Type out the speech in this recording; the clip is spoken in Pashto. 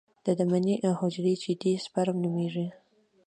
دا د مني حجرې چې دي سپرم نومېږي.